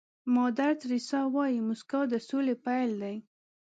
مادر تیریسا وایي موسکا د سولې پيل دی.